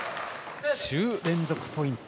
１０連続ポイント。